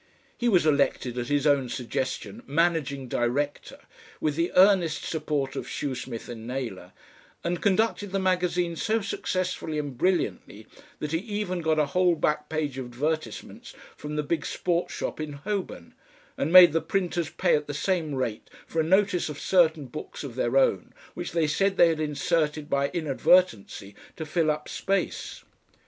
He was elected at his own suggestion managing director, with the earnest support of Shoesmith and Naylor, and conducted the magazine so successfully and brilliantly that he even got a whole back page of advertisements from the big sports shop in Holborn, and made the printers pay at the same rate for a notice of certain books of their own which they said they had inserted by inadvertency to fill up space.